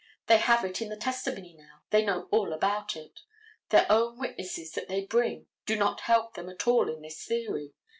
They have it in the testimony now; they know all about it. Their own witnesses that they bring do not help them at all in this theory.